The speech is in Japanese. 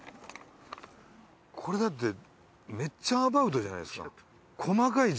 これだってめっちゃアバウトじゃないですか。